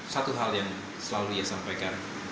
satu hal yang selalu dia sampaikan